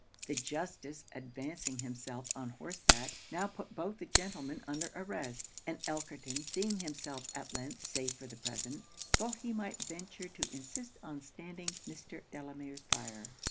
The justice advancing himself on horseback, now put both the gentlemen under arrest: and Elkerton seeing himself at length safe for the present, thought he might venture to insist on standing Mr. Delamere's fire.